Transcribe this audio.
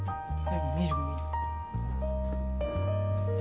見る見る。